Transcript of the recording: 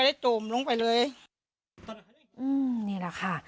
เนี้ยแหละค่ะ